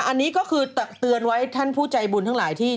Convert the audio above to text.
อันนี้ก็คือเตือนไว้ท่านผู้ใจบุญทั้งหลายที่